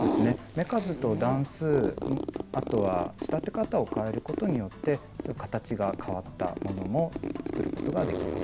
目数と段数あとは仕立て方を変えることによって形が変わったものも作ることができます。